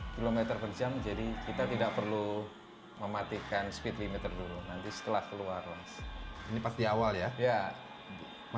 delapan puluh km per jam jadi kita tidak perlu mematikan speed limiter dulu nanti setelah keluar ini pasti awal ya